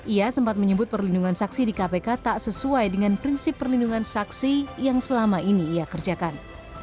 ia sempat menyebut perlindungan saksi di kpk tak sesuai dengan prinsip perlindungan saksi yang selama ini ia kerjakan